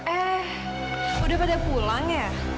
eh sudah pulang ya